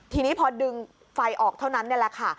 ทีนี้พอดึงไฟออกเท่านั้นนี่แหละค่ะ